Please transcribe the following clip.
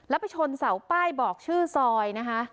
แล้วไปชนเสาป้ายบอกชื่อซอยนะคะ